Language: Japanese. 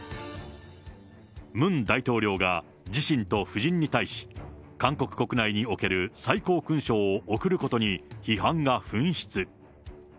ムン大統領が自身と夫人に対し、韓国国内における最高勲章を贈ることに、批判が噴出。